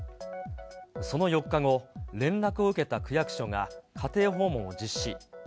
その４日後、連絡を受けた区役所が家庭訪問を実施。